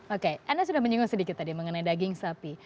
oke anda sudah menyinggung sedikit tadi mengenai daging sapi